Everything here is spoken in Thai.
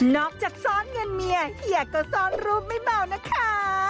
อกจากซ่อนเงินเมียอย่าก็ซ่อนรูปไม่เบานะคะ